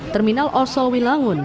terminal osowi langun